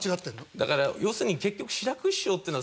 だから要するに結局志らく師匠っていうのは。